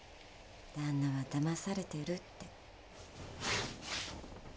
旦那は騙されてるって。